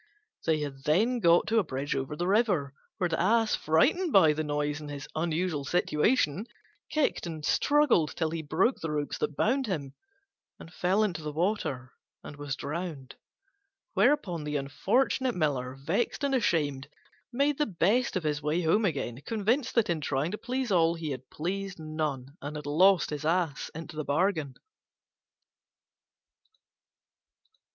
They had then got to a bridge over the river, where the Ass, frightened by the noise and his unusual situation, kicked and struggled till he broke the ropes that bound him, and fell into the water and was drowned. Whereupon the unfortunate Miller, vexed and ashamed, made the best of his way home again, convinced that in trying to please all he had pleased none, and had lost his Ass into the bargain.